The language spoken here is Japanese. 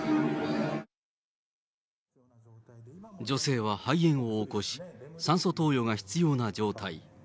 女性は肺炎を起こし、酸素投与が必要な状態。